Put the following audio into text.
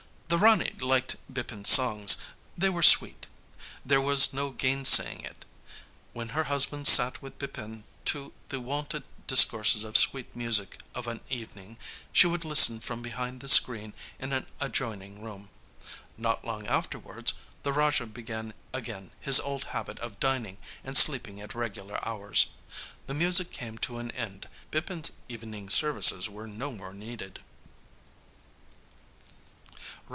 The Rani liked Bipin's songs they were sweet there was no gainsaying it. When her husband sat with Bipin to the wonted discourses of sweet music of an evening, she would listen from behind the screen in an adjoining room. Not long afterwards, the Raja began again his old habit of dining and sleeping at regular hours. The music came to an end. Bipin's evening services were no more needed.